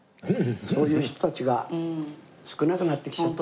そういう人たちが少なくなってきちゃって。